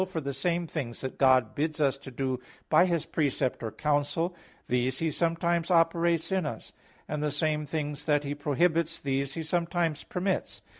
For the same things that God bids us do by His precept or counsel, these He sometimes operates in us, and the same things that He prohibits, these He sometimes permits.